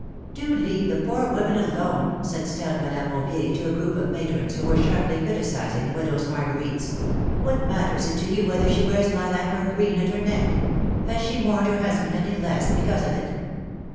Do leave the poor woman alone,^^ said stout Madame Aubier to a group of matrons, who were sharply criti cising the widow's marguerites ; what matters it to you whether she wears lilac or green at her neck? Has she mourned her husband any the less because of it?"